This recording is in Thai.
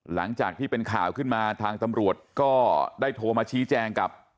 หลังจากที่เป็นข่าวขึ้นมาทางตำรวจก็ได้โทรมาชี้แจงกับ